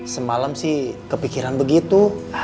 semalam sih kepikiran begitu